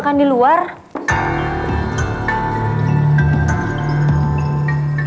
aku mau ke rumah